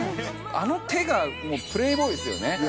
あの手がもうプレイボーイですよね。